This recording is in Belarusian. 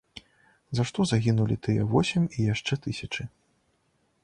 За што загінулі тыя восем і яшчэ тысячы?